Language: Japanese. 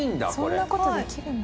そんな事できるんだ。